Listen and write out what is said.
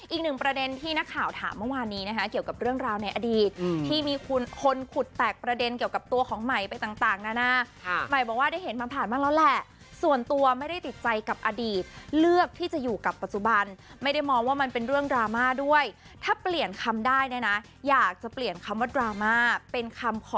อีกหนึ่งประเด็นที่นักข่าวถามเมื่อวานนี้นะคะเกี่ยวกับเรื่องราวในอดีตที่มีคนขุดแตกประเด็นเกี่ยวกับตัวของใหม่ไปต่างนานาใหม่บอกว่าได้เห็นมาผ่านบ้างแล้วแหละส่วนตัวไม่ได้ติดใจกับอดีตเลือกที่จะอยู่กับปัจจุบันไม่ได้มองว่ามันเป็นเรื่องดราม่าด้วยถ้าเปลี่ยนคำได้เนี่ยนะอยากจะเปลี่ยนคำว่าดราม่าเป็นคำค